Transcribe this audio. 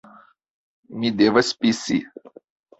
Mi devas pisi